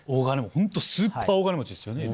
ホントスーパー大金持ちですよね。